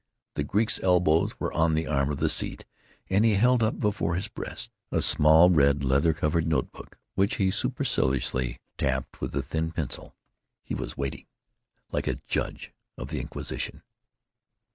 The Greek's elbows were on the arm of the seat, and he held up before his breast a small red leather covered note book which he superciliously tapped with a thin pencil. He was waiting. Like a judge of the Inquisition....